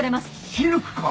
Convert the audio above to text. シルクか！